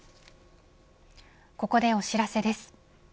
ここでお知らせです。